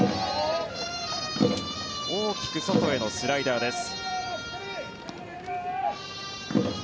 大きく外へのスライダーです。